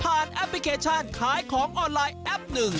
แอปพลิเคชันขายของออนไลน์แอปหนึ่ง